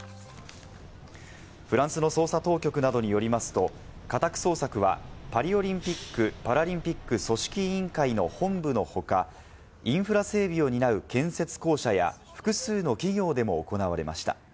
フランスの捜査当局などによりますと、家宅捜索はパリオリンピック・パラリンピック組織委員会の本部の他、インフラ整備を担う建設公社や複数の企業でも行われました。